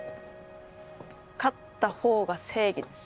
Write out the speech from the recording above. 勝ったほうが正義です。